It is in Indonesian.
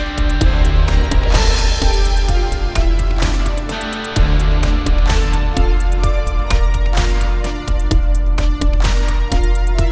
tlus bukan kebetulan